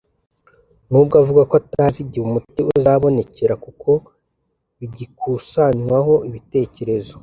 nubwo avuga ko atazi igihe umuti uzabonekera kuko bigikusanywaho ibitekerezo